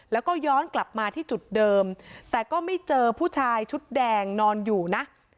แล้วก็ย้อนกลับมาที่จุดเดิมแต่ก็ไม่เจอผู้ชายชุดแดงนอนอยู่นะ